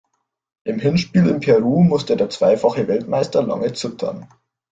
Im Hinspiel in Peru musste der zweifache Weltmeister lange zittern.